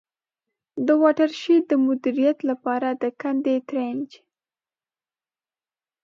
د واټر شید د مدیریت له پاره د کندي Trench.